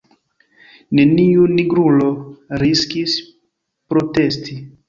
Neniu nigrulo riskis protesti.